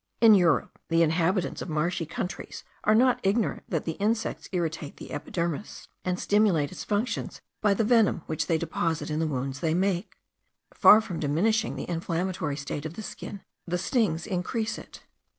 In Europe the inhabitants of marshy countries are not ignorant that the insects irritate the epidermis, and stimulate its functions by the venom which they deposit in the wounds they make. Far from diminishing the inflammatory state of the skin, the stings increase it.